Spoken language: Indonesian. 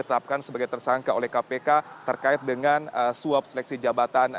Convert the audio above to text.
tetapkan sebagai tersangka oleh kpk terkait dengan suap seleksi jabatan